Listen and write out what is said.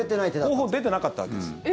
候補に出てなかったわけです。